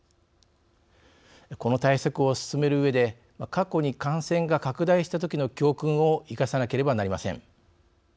この対策を進めるうえで過去に感染が拡大したときの教訓を生かさなければなりません。